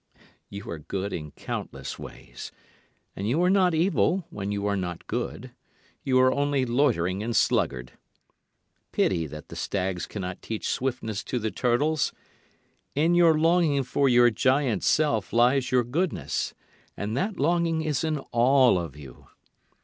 You are good in countless ways, and you are not evil when you are not good, You are only loitering and sluggard. Pity that the stags cannot teach swiftness to the turtles. In your longing for your giant self lies your goodness: and that longing is in all of you.